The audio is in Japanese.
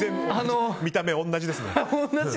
見た目同じですね。